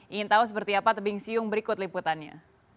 ingin tahu seperti apa tebing siung berikut liputannya